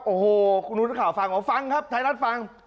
โอ้โฮหนูจะข่าวฟังเหรอฟังครับไทรัตฟัง